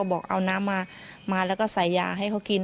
บอกเอาน้ำมาแล้วก็ใส่ยาให้เขากิน